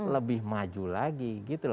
lebih maju lagi